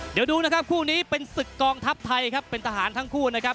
เดี๋ยวดูนะครับคู่นี้เป็นศึกกองทัพไทยครับเป็นทหารทั้งคู่นะครับ